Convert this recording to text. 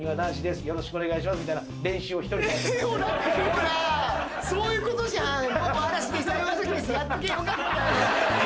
「ほらそういうことじゃん」